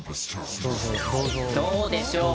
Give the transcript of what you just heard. どうでしょう。